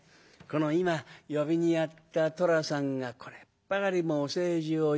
今呼びにやった寅さんがこれっぱかりもお世辞を言わない。